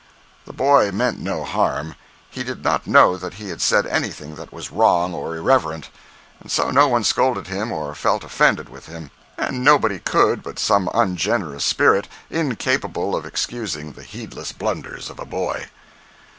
The boy meant no harm. He did not know that he had said anything that was wrong or irreverent. And so no one scolded him or felt offended with him—and nobody could but some ungenerous spirit incapable of excusing the heedless blunders of a boy.